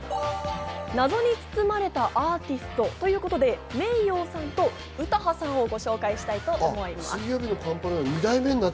謎に包まれたアーティストということで、ｍｅｉｙｏさんと詩羽さんをご紹介したいと思います。